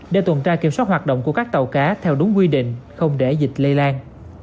để tuần tra kiểm soát hoạt động của các tàu cá theo đúng quy định không để dịch lây lan